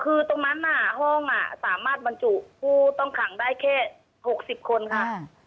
คือตรงนั้นห้องสามารถบรรจุผู้ต้องขังได้แค่๖๐คนค่ะ